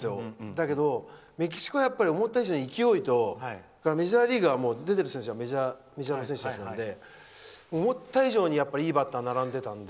だけど、メキシコは思った以上に勢いと出てる選手はメジャーの選手なので思った以上にいいバッターが並んでたので。